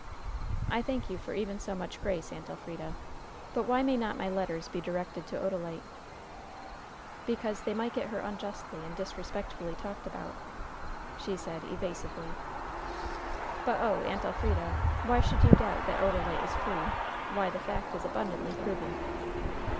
"I thank you for even so much grace, Aunt Elfrida; but why may not my letters be directed to Odalite?" "Because they might get her unjustly and disrespectfully talked about," said she, evasively. "But, oh, Aunt Elfrida! why should you doubt that Odalite is free? Why, the fact is abundantly proven."